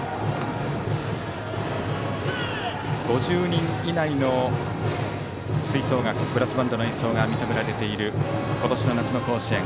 ５０人以内の吹奏楽、ブラスバンドの演奏が認められている今年の夏の甲子園。